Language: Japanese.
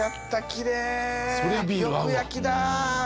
よく焼きだ。